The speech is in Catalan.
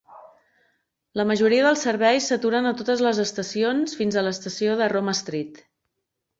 La majoria dels serveis s'aturen a totes les estacions fins a l'estació de Roma Street.